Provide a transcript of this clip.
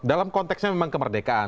dalam konteksnya memang kemerdekaan